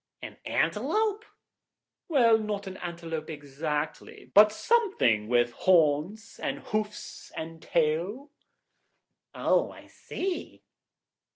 "An antelope?" "Well, not an antelope exactly, but something with horns and hoofs and tail." "Oh, I see."